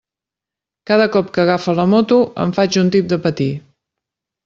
Cada cop que agafa la moto em faig un tip de patir.